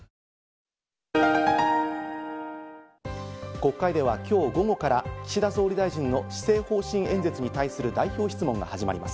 国会では今日午後から岸田総理大臣の施政方針演説に対する代表質問が始まります。